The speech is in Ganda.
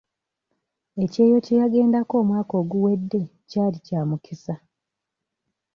Ekyeyo kye yagendako omwaka oguwedde kyali kya mukisa.